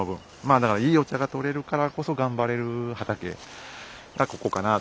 だからいいお茶がとれるからこそ頑張れる畑がここかなあ。